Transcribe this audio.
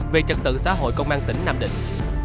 về trật tự xã hội công an tỉnh nam định